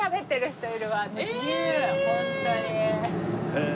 へえ。